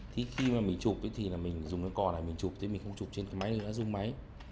thì khi mà mình chụp thì mình dùng cái cỏ này mình chụp thì mình không chụp trên cái máy thì nó rung máy